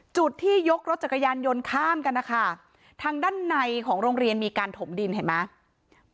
จุดที่ยกรถจักรยานยนต์ข้ามกันนะคะทางด้านในของโรงเรียนมีการถมดินเห็นไหม